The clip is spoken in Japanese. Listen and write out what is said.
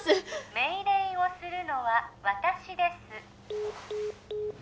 命令をするのは私です